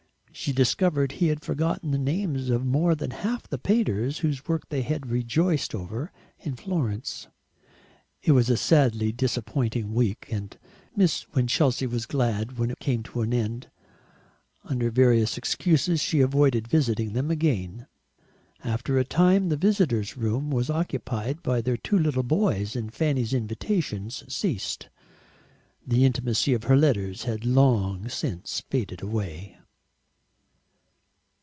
She discovered he had forgotten the names of more than half the painters whose work they had rejoiced over in Florence. It was a sadly disappointing week, and Miss Winchelsea was glad when it came to an end. Under various excuses she avoided visiting them again. After a time the visitor's room was occupied by their two little boys, and Fanny's invitations ceased. The intimacy of her letters had long since faded away.